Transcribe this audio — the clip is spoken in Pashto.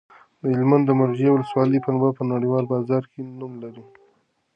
د هلمند د مارجې ولسوالۍ پنبه په نړیوال بازار کې نوم لري.